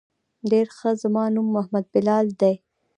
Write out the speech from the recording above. ډېر ښه زما نوم محمد بلال ديه.